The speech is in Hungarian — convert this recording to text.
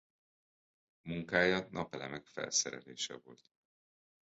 Munkája napelemek felszerelése volt.